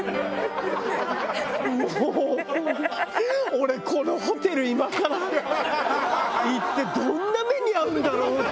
俺このホテル今から行ってどんな目に遭うんだろう。